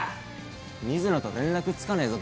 水野と連絡つかねえぞ。